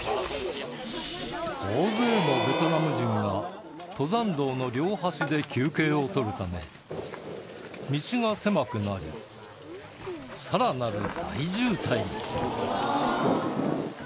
大勢のベトナム人が登山道の両端で休憩を取るため道が狭くなりさらなる大渋滞に